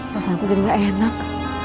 rasaku jadi gak enak